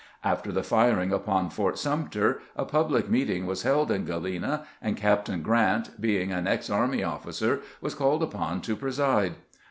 After the firing upon Fort Sumter a public meeting was held in Galena, and Cap tain Grant, being an ex army officer, was called upon to preside.